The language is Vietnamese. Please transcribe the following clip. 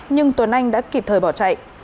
nhưng tuấn anh đã kịp thời bỏ chạy